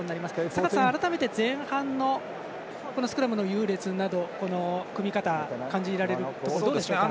坂田さん、改めて前半のこのスクラムの優劣など組み方感じられることはどうでしょうか。